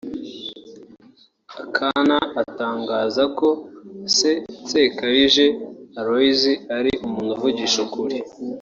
Akana atangaza ko se Nsekarije Aloys yari umuntu uvugisha ukuri